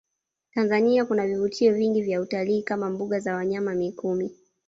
Tanzania kuna vivutio vingi vya utalii kama mbuga za wanyama mikumi